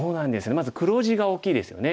まず黒地が大きいですよね。